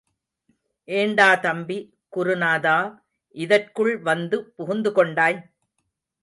ஏண்டா தம்பி குருநாதா, இதற்குள் வந்து புகுந்து கொண்டாய்?